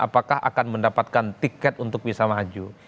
apakah akan mendapatkan tiket untuk bisa maju